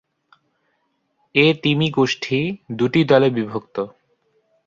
এ তিমি গোষ্ঠী দু’টি দলে বিভক্ত।